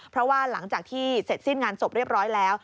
เพราะว่าหลังจากที่เสร็จสิ้นงานศพเรียบร้อยแล้ว